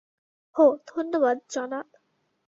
হো, ধন্যবাদ, জনাব।